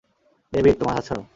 David, তোমার হাত সরাও!